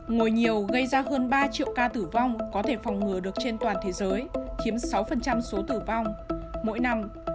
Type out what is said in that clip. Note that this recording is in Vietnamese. ngồi nhiều gây ra hơn ba triệu ca tử vong có thể phòng ngừa được trên toàn thế giới chiếm sáu số tử vong mỗi năm